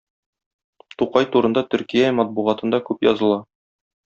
Тукай турында Төркия матбугатында күп языла.